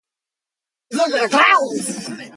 A macroscopic view of a ball is just that: a ball.